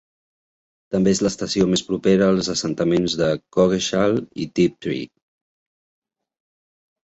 També és l'estació més propera als assentaments de Coggeshall i Tiptree.